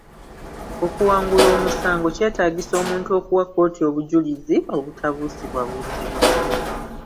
Okuwangula omusango kyetaagisa omuntu okuwa kkooti obujjulizi obutabuusibwabuusibwa.